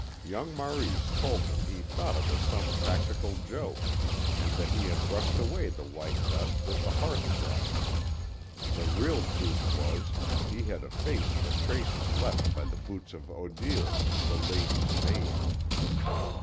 Young Maurice told them he thought it was some practical joke and that he had brushed away the white dust with the hearth brush. The real truth was, he had effaced the traces left by the boots of Odile, the lady's maid.